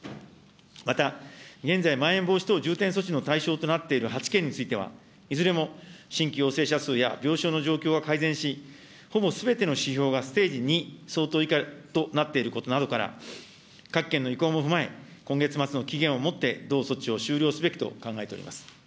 また、現在、まん延防止等重点措置の対象となっている８県については、いずれも新規陽性者数や病床の状況は改善し、ほぼすべての指標がステージ２相当以下となっていることなどから、各県の意向も踏まえ、今月末の期限をもって同措置を終了すべきと考えております。